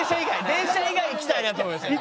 電車以外行きたいなと思いましたね。